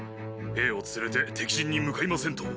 兵を連れて敵陣に向かいませんと。